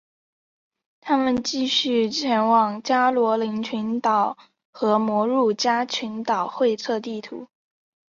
他们继续前往加罗林群岛和摩鹿加群岛测绘地图。